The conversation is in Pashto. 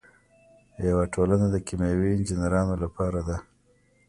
یوه ټولنه د کیمیاوي انجینرانو لپاره ده.